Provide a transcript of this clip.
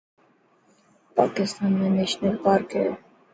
پاڪستان ۾ نيشنل پارڪ هي.